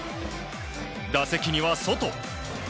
打席には、ソト。